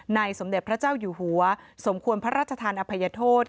สมเด็จพระเจ้าอยู่หัวสมควรพระราชทานอภัยโทษ